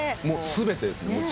もう全てですね。